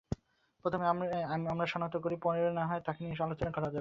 প্রথমে আমরা শনাক্ত তো করি, পরে না হয় তাকে নিয়ে আলোচনা করা যাবে।